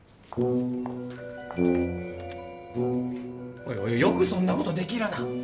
おいおいよくそんなことできるな。